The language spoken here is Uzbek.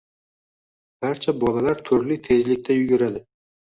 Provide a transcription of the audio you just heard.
Barcha bolalar turli tezlikda yuguradi